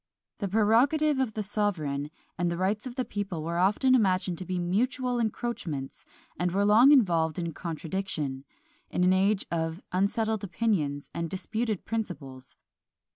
The prerogative of the sovereign and the rights of the people were often imagined to be mutual encroachments, and were long involved in contradiction, in an age of unsettled opinions and disputed principles.